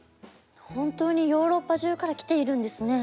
本当にヨーロッパ中から来ているんですね。